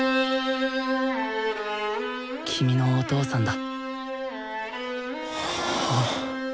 君のお父さんだ。